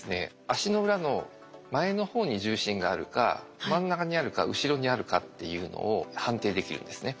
足の裏の前の方に重心があるか真ん中にあるか後ろにあるかっていうのを判定できるんですね。